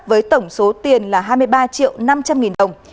với tổng số tiền là hai mươi ba triệu năm trăm linh nghìn đồng